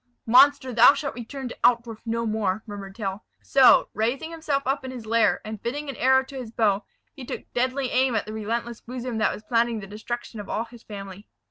"Monster, thou shalt return to Altdorf no more!" murmured Tell. So, raising himself up in his lair, and fitting an arrow to his bow, he took deadly aim at the relentless bosom that was planning the destruction of all his family.